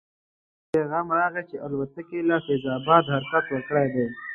خپلواک ته پیغام راغی چې الوتکې له فیض اباد حرکت ورکړی دی.